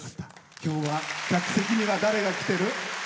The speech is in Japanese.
今日は客席には誰が来てる？